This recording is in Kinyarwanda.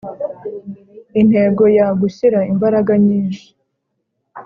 Intego ya gushyira imbaraga nyinshi